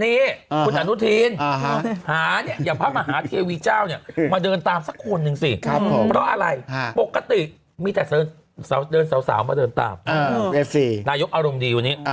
เอฟซีพิหนูเขาก็เดินตามได้